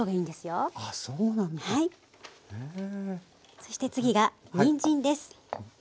そして次がにんじんです。